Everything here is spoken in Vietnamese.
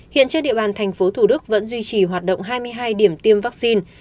hiện trên địa bàn tp hcm vẫn duy trì hoạt động hai mươi hai điểm tiêm vaccine